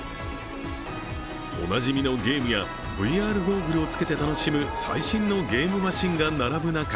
おなじみのゲームやＶＲゴーグルを着けて楽しむ最新のゲームマシンが並ぶ中